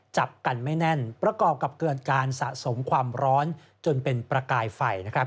จับกันไม่แน่นประกอบกับเกิดการสะสมความร้อนจนเป็นประกายไฟ